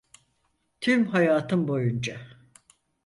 Tüm hayatım boyunca.